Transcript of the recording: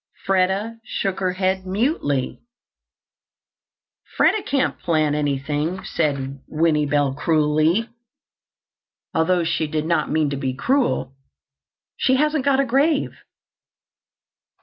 Freda shook her head mutely. "Freda can't plant anything," said Winnie Bell cruelly, although she did not mean to be cruel. "She hasn't got a grave."